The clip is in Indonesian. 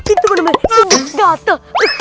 itu bener bener sebut gatel